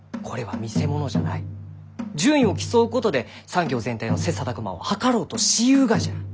順位を競うことで産業全体の切磋琢磨を図ろうとしゆうがじゃ。